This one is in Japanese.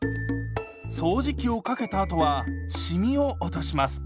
掃除機をかけたあとはシミを落とします。